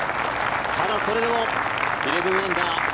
ただ、それでも１１アンダー。